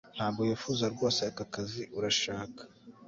Ntabwo wifuza rwose aka kazi urashaka